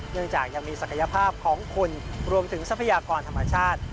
จากยังมีศักยภาพของคนรวมถึงทรัพยากรธรรมชาติ